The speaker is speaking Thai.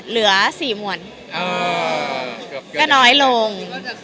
เหลือ๔หมวลก็น้อยลง